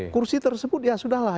kursi tersebut ya sudah lah